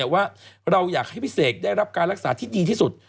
ว่าเราอยากให้พี่เสกได้รับการรักษาที่ดีที่สุด